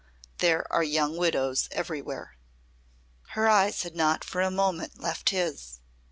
There are young widows everywhere." Her eyes had not for a moment left his.